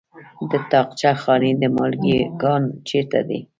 د طاقچه خانې د مالګې کان چیرته دی؟